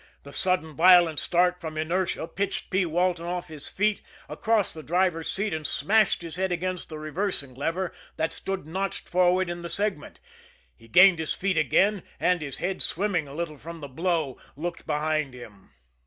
The sudden, violent start from inertia pitched P. Walton off his feet across the driver's seat, and smashed his head against the reversing lever that stood notched forward in the segment. He gained his feet again, and, his head swimming a little from the blow, looked behind him.